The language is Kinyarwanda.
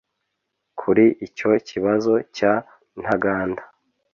Kuri icyo kibazo cya Ntaganda